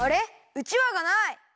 うちわがない！